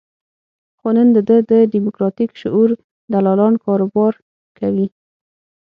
خو نن د ده د دیموکراتیک شعور دلالان کاروبار کوي.